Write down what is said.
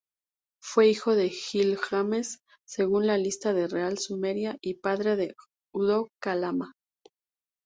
Fue hijo de Gilgamesh, según la Lista Real Sumeria, y padre de Udul-Kalama.